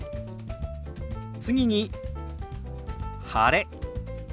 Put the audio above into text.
次に「晴れ」。